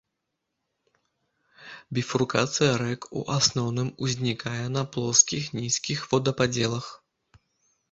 Біфуркацыя рэк у асноўным узнікае на плоскіх нізкіх водападзелах.